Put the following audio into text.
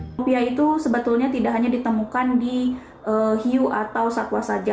lumpia itu sebetulnya tidak hanya ditemukan di hiu atau satwa saja